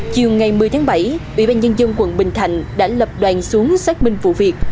chiều ngày một mươi tháng bảy ủy ban nhân dân quận bình thạnh đã lập đoàn xuống xác minh vụ việc